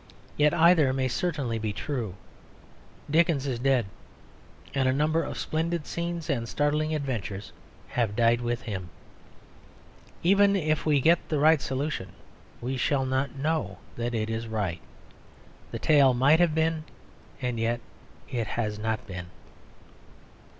Yet either may certainly be true. Dickens is dead, and a number of splendid scenes and startling adventures have died with him. Even if we get the right solution we shall not know that it is right. The tale might have been, and yet it has not been.